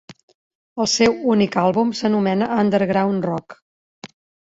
El seu únic àlbum s'anomena "Underground-Rock".